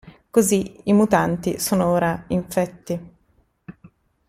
Così i mutanti sono ora "infetti".